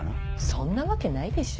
そんなわけないでしょ。